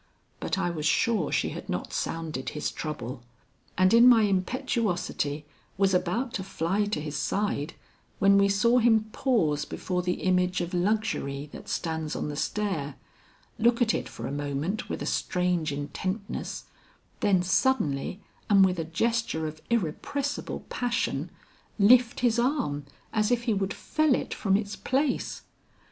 But I was sure she had not sounded his trouble, and in my impetuosity was about to fly to his side when we saw him pause before the image of Luxury that stands on the stair, look at it for a moment with a strange intentness, then suddenly and with a gesture of irrepressible passion, lift his arm as if he would fell it from its place.